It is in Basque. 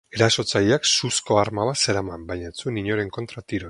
Erasotzaileak suzko arma bat zeraman, baina ez zuen inoren kontra tiro egin.